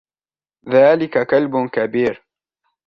ذلك كلب كبير.